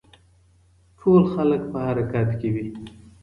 ټول خلک په حرکت کې وي.